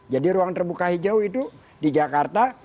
jadi ruang terbuka hijau itu di jakarta